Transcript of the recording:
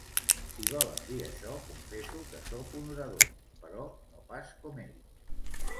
Si volen dir això, confesso que sóc un orador, però no pas com ells.